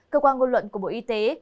cơ quan ngôn luận của bộ y tế